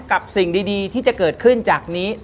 สิ่งดีที่จะเกิดขึ้นจากนี้